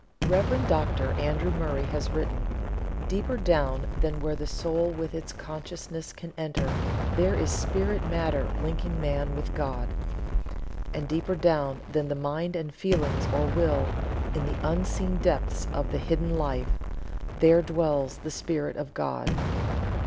Rev. Dr. Andrew Murray has written: "Deeper down than where the soul with its consciousness can enter there is spirit matter linking man with God; and deeper down than the mind and feelings or will in the unseen depths of the hidden life there dwells the Spirit of God."